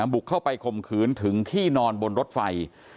บุกเข้าไปข่มขืนถึงที่นอนบนรถไฟ